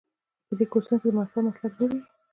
په دې کورسونو کې د محصل مسلک جوړیږي.